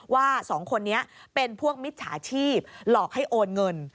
ว่า๒คนนี้เป็นพวกมิจฉาชีพหลอกให้โอนเงิน